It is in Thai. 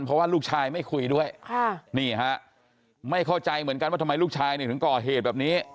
เพราะว่าลูกชายไม่คุยด้วยนี่ฮะไม่เข้าใจเหมือนกันว่าทำไมลูกชายเนี่ยถึงก่อเหตุแบบนี้